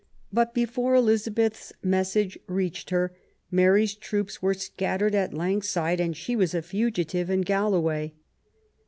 . But before Elizabeth's mes sage reached her, Mary's troops were scattered at Langside and she was a fugitive in Galloway.